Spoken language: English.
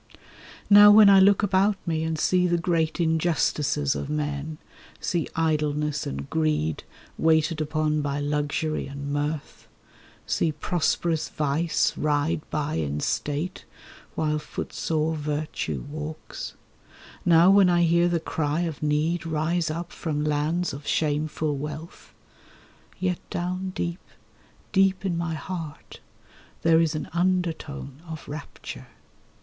Now when I look about me, and see the great injustices of men, See Idleness and Greed waited upon by luxury and mirth, See prosperous Vice ride by in state, while footsore Virtue walks; Now when I hear the cry of need rise up from lands of shameful wealth— Yet down deep, deep in my heart there is an undertone of rapture.